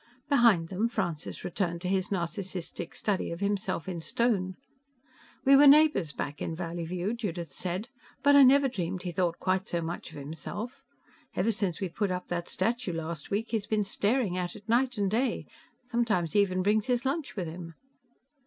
Behind them, Francis returned to his Narcissistic study of himself in stone. "We were neighbors back in Valleyview," Judith said, "but I never dreamed he thought quite so much of himself. Ever since we put up that statue last week, he's been staring at it night and day. Sometimes he even brings his lunch with him."